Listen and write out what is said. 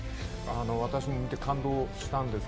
私も見て感動したんですけど